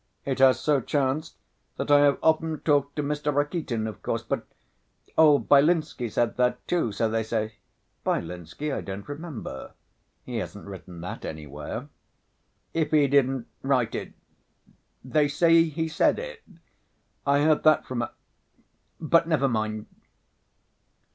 It has so chanced that I have often talked to Mr. Rakitin, of course, but ... old Byelinsky said that, too, so they say." "Byelinsky? I don't remember. He hasn't written that anywhere." "If he didn't write it, they say he said it. I heard that from a ... but never mind."